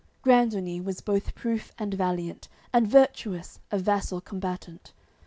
CXXII Grandonie was both proof and valiant, And virtuous, a vassal combatant.